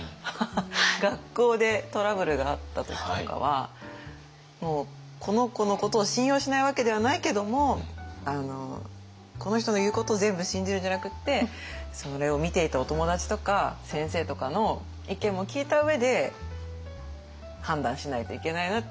学校でトラブルがあった時とかはもうこの子のことを信用しないわけではないけどもこの人の言うことを全部信じるんじゃなくってそれを見ていたお友達とか先生とかの意見も聞いた上で判断しないといけないなっていう。